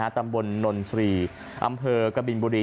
ตำบลนนทรีย์อำเภอกบินบุรี